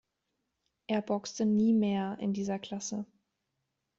Er boxte nie mehr in dieser Klasse.